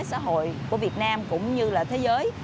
xã hội của việt nam cũng như là thế giới